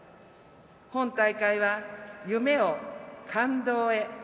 本大会は「夢を感動へ。